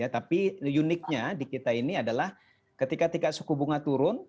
tapi uniknya di kita ini adalah ketika tingkat suku bunga turun